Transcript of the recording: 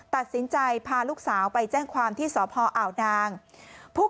ตัดสินใจพาลูกสาวไปแจ้งความที่สพอ่าวนางผู้